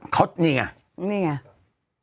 เขานี่ไงนี่ไง